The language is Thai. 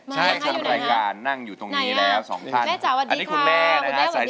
ใช่ใช่กลับรายการนั่งอยู่ตรงนี้แล้ว๒ทั้งนี้